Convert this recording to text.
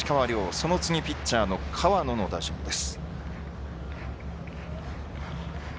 その次、ピッチャー河野の打順です。